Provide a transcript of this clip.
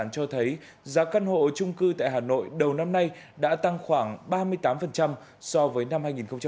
cho thấy giá căn hộ trung cư tại hà nội đầu năm nay đã tăng khoảng ba mươi tám so với năm hai nghìn một mươi tám